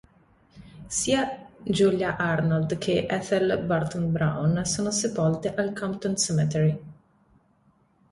Sia Julia Arnold che Ethel Burton-Brown sono sepolte al Compton Cemetery.